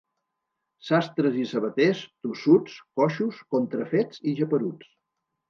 Sastres i sabaters, tossuts, coixos, contrafets i geperuts.